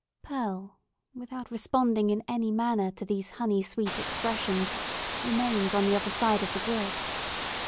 Pearl, without responding in any manner to these honey sweet expressions, remained on the other side of the brook.